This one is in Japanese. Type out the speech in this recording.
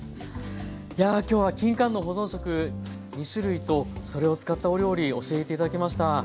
や今日はきんかんの保存食２種類とそれを使ったお料理教えて頂きました。